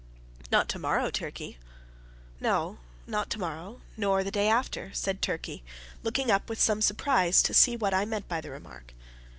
"Not to morrow, Turkey." "No, not to morrow, nor the day after," said Turkey, looking up with some surprise to see what I meant by the remark.